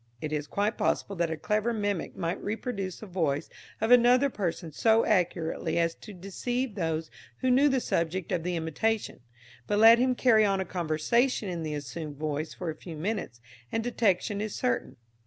It is quite possible that a clever mimic might reproduce the voice of another person so accurately as to deceive those who knew the subject of the imitation; but let him carry on a conversation in the assumed voice for a few minutes, and detection is certain.